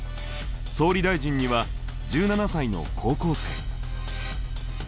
総理大臣には１７才の高校生。